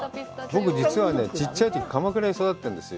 僕、実はね、ちっちゃいとき、鎌倉で育っているんですよ。